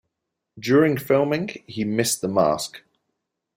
During filming he missed the mask.